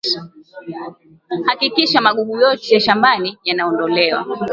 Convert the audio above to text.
Hakikisha magugu yote shambani yanaondolewa